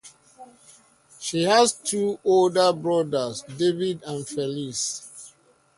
She has two older brothers, David and Felix.